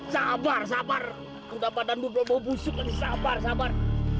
sabar sabar ketika badanmu berbau busuk lagi sabar sabar